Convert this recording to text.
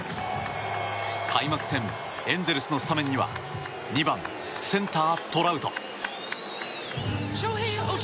開幕戦、エンゼルスのスタメンには２番センター、トラウト。